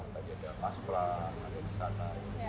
tadi ada mas pra ada di sana